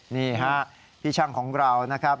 นี่ฮะพี่ช่างของเรานะครับ